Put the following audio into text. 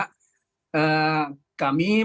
karena ini kan tidak menggunakan izin begitu ya